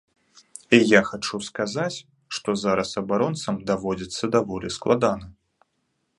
І я хачу сказаць, што зараз абаронцам даводзіцца даволі складана.